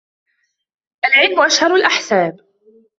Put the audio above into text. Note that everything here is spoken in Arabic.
العِلْمُ أشهر الأحساب